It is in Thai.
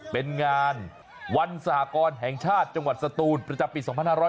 เป็นงานวันสหกรแห่งชาติจังหวัดสตูนประจำปี๒๕๖๐